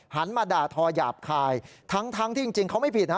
มาด่าทอหยาบคายทั้งที่จริงเขาไม่ผิดฮะ